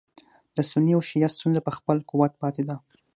د سني او شیعه ستونزه په خپل قوت پاتې ده.